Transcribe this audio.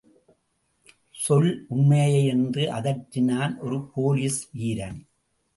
சொல் உண்மையை என்று அதட்டினான் ஒரு போலீஸ் வீரன்.